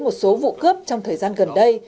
một số vụ cướp trong thời gian gần đây